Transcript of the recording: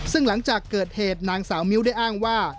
ซึ่งหลังจากเกิดเหตุนางสาวมิ้วได้อ้างว่า